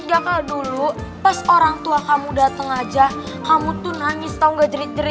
gagal dulu pas orang tua kamu dateng aja kamu tuh nangis tau nggak jerit jerit kau nangis tau nggak jerit jerit